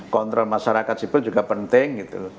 kontrol masyarakat sipil juga penting